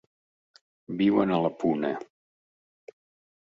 Viuen a la puna.